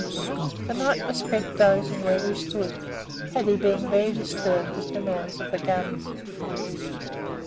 The night was spent dozing where we stood, Paddy being very disturbed with the noise of the guns.